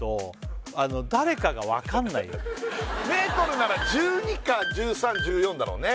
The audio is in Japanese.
最悪目とるなら１２か１３１４だろうね